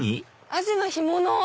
アジの干物！